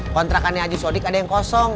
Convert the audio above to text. kontrakannya aji sodik ada yang kosong